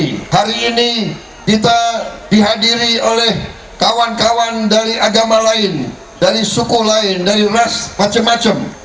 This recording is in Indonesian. dan damai hari ini kita dihadiri oleh kawan kawan dari agama lain dari suku lain dari ras macem macem